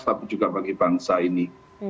tapi juga bagi bangsa ini